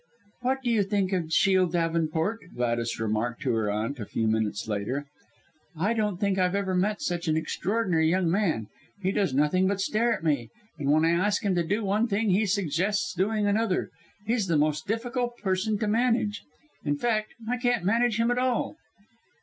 "What do you think of Shiel Davenport?" Gladys remarked to her aunt a few minutes later. "I don't think I've ever met such an extraordinary young man. He does nothing but stare at me, and when I ask him to do one thing he suggests doing another. He's the most difficult person to manage. In fact, I can't manage him at all."